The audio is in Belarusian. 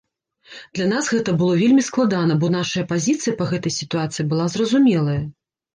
Для нас гэта было вельмі складана, бо нашая пазіцыя па гэтай сітуацыі была зразумелая.